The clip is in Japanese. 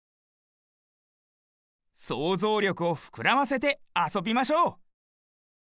そうぞうりょくをふくらませてあそびましょう！